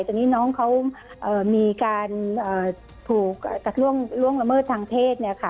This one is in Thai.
แต่นี่น้องเขามีการถูกล่วงละเมิดทางเพศ